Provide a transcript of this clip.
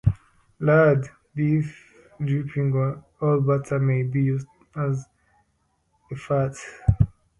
Lard, beef dripping or butter may be used as the fat.